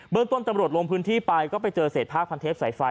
เรื่องต้นตำรวจลงพื้นที่ไปก็ไปเจอเศษผ้าพันเทปสายไฟ